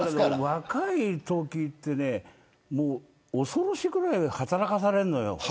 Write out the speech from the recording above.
若いときって恐ろしいぐらい働かされるのよ。